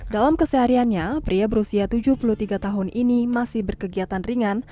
dalam kesehariannya pria berusia tujuh puluh tiga tahun ini masih berkegiatan ringan